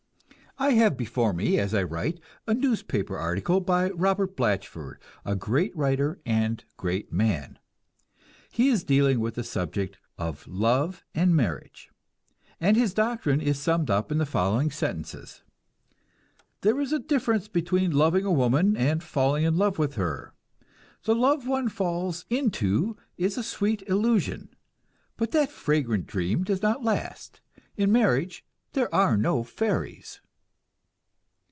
I have before me as I write a newspaper article by Robert Blatchford, a great writer and great man. He is dealing with the subject of "Love and Marriage," and his doctrine is summed up in the following sentences: "There is a difference between loving a woman and falling in love with her. The love one falls into is a sweet illusion. But that fragrant dream does not last. In marriage there are no fairies."